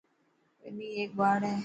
وني هيڪ ٻاڙ هي.